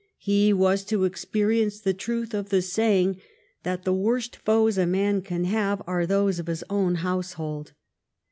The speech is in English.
He was to experience the truth of the saying that the worst foes a man can have are those of his own household.